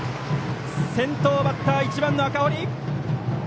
先頭バッター、１番の赤堀。